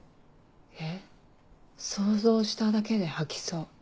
えっ想像しただけで吐きそう。